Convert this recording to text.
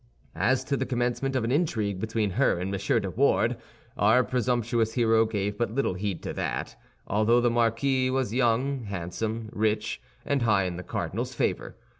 As to the commencement of an intrigue between her and M. de Wardes, our presumptuous hero gave but little heed to that, although the marquis was young, handsome, rich, and high in the cardinal's favor.